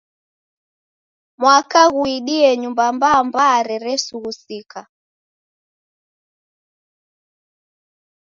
Mwaka ghuidie, Nyumba mbaa mbaa reresughusika